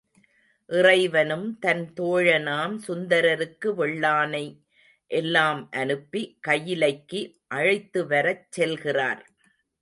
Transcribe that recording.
இறைவனும் தன் தோழனாம் சுந்தரருக்கு வெள்ளானை எல்லாம் அனுப்பி கயிலைக்கு அழைத்து வரச் செல்கிறார்.